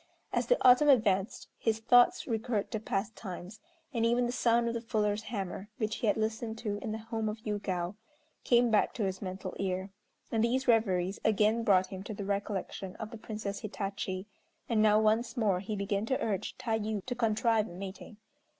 As the autumn advanced his thoughts recurred to past times, and even the sound of the fuller's hammer, which he had listened to in the home of Yûgao, came back to his mental ear; and these reveries again brought him to the recollection of the Princess Hitachi, and now once more he began to urge Tayû to contrive a meeting.